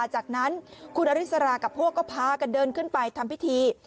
หลังจากนั้นคุณฐิสรากับพวกเขาพาก็เดินขึ้นไปทำพิธี